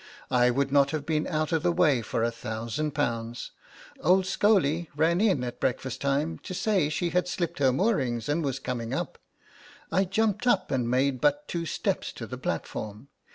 I would not have been out of the way for a thousand pounds. Old Scholey ran in at breakfast time to say she had slipped her moorings and was coming out. I jumped up and made but two steps to the platform.